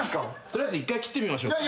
取りあえず一回切ってみましょう。